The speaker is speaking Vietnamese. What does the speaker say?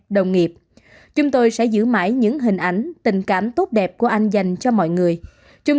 đồng nghiệp chúng tôi sẽ giữ mãi những hình ảnh tình cảm tốt đẹp của anh dành cho mọi người trung